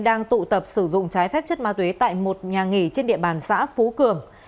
đang tụ tập sử dụng trái phép chất ma túy tại một nhà nghỉ trên địa bàn xã phú cường